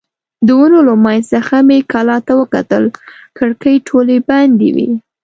د ونو له منځ څخه مې کلا ته وکتل، کړکۍ ټولې بندې وې.